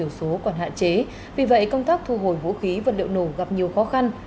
nhưng công tác thiếu số còn hạn chế vì vậy công tác thu hồi vũ khí vật liệu nổ gặp nhiều khó khăn